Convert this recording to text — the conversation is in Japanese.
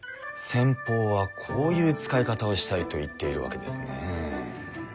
先方はこういう使い方をしたいと言っているわけですね。